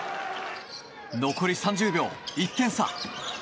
残り３０秒、１点差。